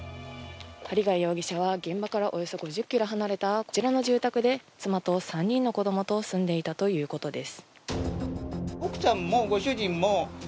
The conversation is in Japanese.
針谷容疑者は現場からおよそ５０ｋｍ離れたこちらの住宅で妻と３人の子供と住んでいたということです。